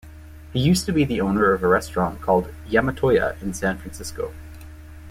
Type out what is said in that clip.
He used to be the owner of a restaurant called Yamatoya in San Francisco.